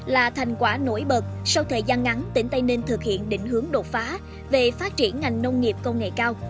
là thành quả nổi bật sau thời gian ngắn tỉnh tây ninh thực hiện định hướng đột phá về phát triển ngành nông nghiệp công nghệ cao